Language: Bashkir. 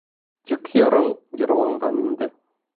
Тик йырың йырланған инде.